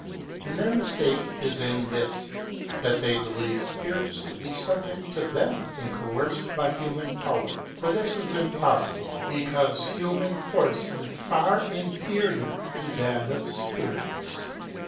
And their mistake is in this, that they believe spirits to be subject to them, and coercible by human power ; for this is impossible, because human force is far inferior to that of spirits.